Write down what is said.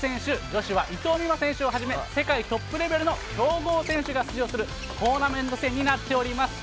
女子は伊藤美誠選手をはじめ世界トップレベルの強豪選手が出場するトーナメント戦になっています。